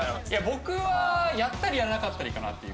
僕はやったりやらなかったりかなっていう。